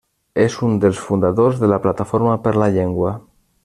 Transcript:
És un dels fundadors de la Plataforma per la Llengua.